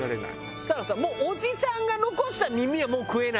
そしたらさおじさんが残した耳はもう食えないじゃん。